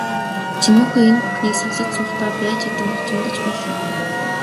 Чинүүхэй энэ бүхнийг сонсож суухдаа байж ядан бачимдаж байлаа.